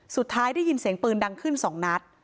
สุดท้ายได้ยินเสียงปืนดังขึ้น๒นัด